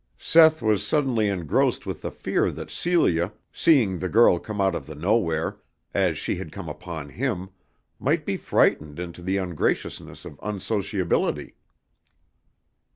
Seth was suddenly engrossed with the fear that Celia, seeing the girl come out of the Nowhere, as she had come upon him, might be frightened into the ungraciousness of unsociability.